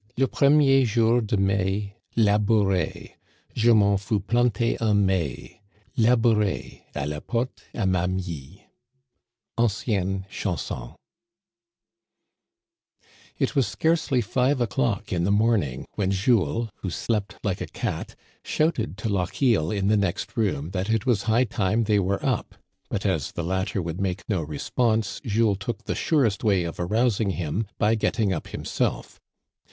Le premier jour de Mai, Labourez, J'm'en fus planter un mai, Labourez, A la porte à ma mie. Ancienne Chanson, It was scarcely five o'clock in the morning when Jules, who slept like a cat, shouted to Lochiel in the next room that it was high time they were up ; but as the latter would make no response, Jules took the surest way of arousing him by getting up himself.